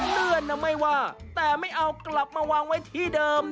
เลื่อนไม่ว่าแต่ไม่เอากลับมาวางไว้ที่เดิม